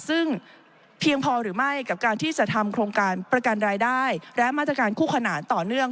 ซึ่งเพียงพอหรือไม่กับการที่จะทำโครงการประกันรายได้และมาตรการคู่ขนานต่อเนื่อง